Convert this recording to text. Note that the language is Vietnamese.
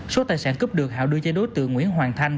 số tài sản cướp được hào đưa cho đối tượng nguyễn hoàng thanh